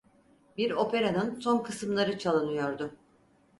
Bir operanın son kısımları çalınıyordu.